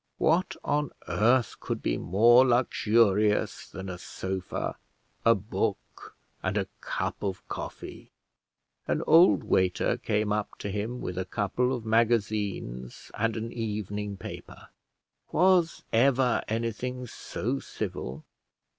What on earth could be more luxurious than a sofa, a book, and a cup of coffee? An old waiter came up to him, with a couple of magazines and an evening paper. Was ever anything so civil?